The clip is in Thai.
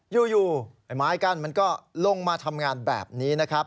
อยู่ไอ้ไม้กั้นมันก็ลงมาทำงานแบบนี้นะครับ